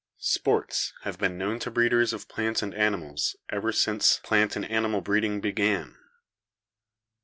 'Sports' have been known to breeders of plants and animals ever since plant and animal breeding began.